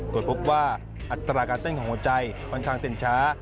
ตรวจพบว่าอัตราการเต้นของหัวใจค่อนข้างเต้นช้า